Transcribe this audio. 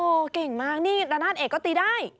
โอ้เก่งมากนี่ตรานาศเอกติด้าย